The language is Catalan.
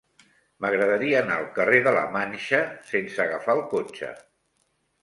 M'agradaria anar al carrer de la Manxa sense agafar el cotxe.